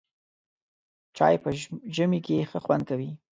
چای په ژمي کې ښه خوند کوي.